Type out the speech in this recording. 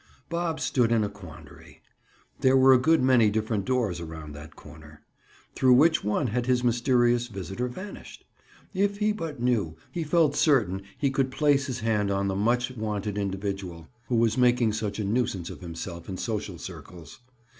Bob stood in a quandary. There were a good many different doors around that corner. Through which one had his mysterious visitor vanished? If he but knew, he felt certain he could place his hand on the much wanted individual who was making such a nuisance of himself in social circles.